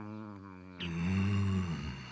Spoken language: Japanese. うん。